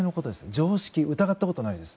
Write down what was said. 常識、疑ったことないです。